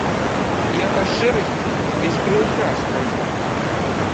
Я па шчырасці, без прыўкрас кажу.